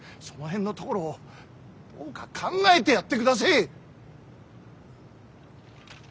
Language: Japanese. その辺のところをどうか考えてやってくだせえ。